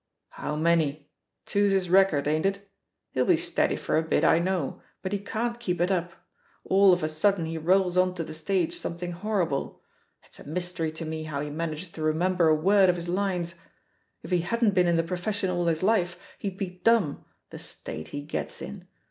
How many? Two's his record, ain't it? He'll be steady for a bit, I know, but he can't keep it up; all of a sudden he rolls on to the stage something horrible; it's a mystery to me how he manages to remember a word of his lines — ^if he hadn't been in the profession all his life, he'd be dumb, the state he gets in!